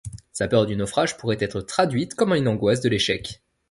Sa peur du naufrage pourrait être traduite comme une angoisse de l'échec.